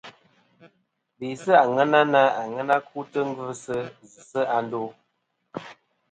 Be sɨ àŋena na aŋena kutɨ ngvɨsɨ zɨsɨ a ndo.